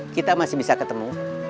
kita masih bisa ketemu